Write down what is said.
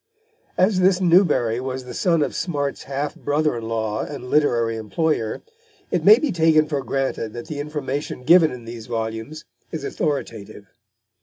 As this Newbery was the son of Smart's half brother in law and literary employer, it may be taken for granted that the information given in these volumes is authoritative.